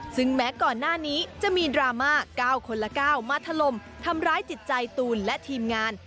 ซึ่งแม้ก่อนหน้านี้จะมีดราม่า๙คนละ๙มาถล่มทำร้ายจิตใจตูนและทีมงาน